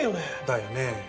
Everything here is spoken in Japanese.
だよね。